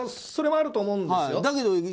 それもあると思うんですよ。